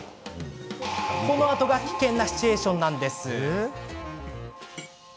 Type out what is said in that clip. このあとが危険なシチュエーションなんです。